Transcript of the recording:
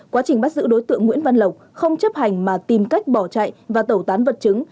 quá trình bắt giữ đối tượng nguyễn văn lộc không chấp hành mà tìm cách bỏ chạy và tẩu tán vật chứng